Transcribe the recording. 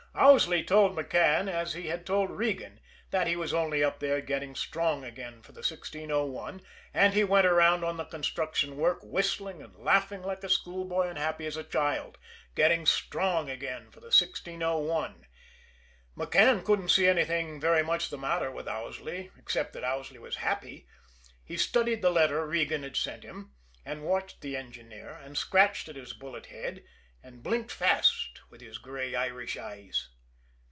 Owsley told McCann, as he had told Regan, that he was only up there getting strong again for the 1601 and he went around on the construction work whistling and laughing like a schoolboy, and happy as a child getting strong again for the 1601! McCann couldn't see anything very much the matter with Owsley except that Owsley was happy. He studied the letter Regan had sent him, and watched the engineer, and scratched at his bullet head, and blinked fast with his gray Irish eyes.